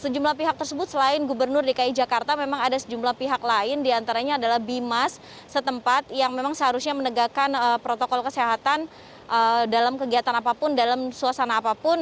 sejumlah pihak tersebut selain gubernur dki jakarta memang ada sejumlah pihak lain diantaranya adalah bimas setempat yang memang seharusnya menegakkan protokol kesehatan dalam kegiatan apapun dalam suasana apapun